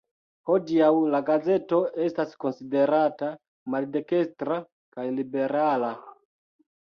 Hodiaŭ la gazeto estas konsiderata maldekstra kaj liberala.